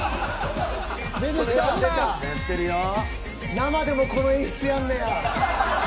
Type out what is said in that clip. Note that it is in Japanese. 生でもこの演出やんねや。